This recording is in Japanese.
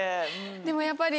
でもやっぱり。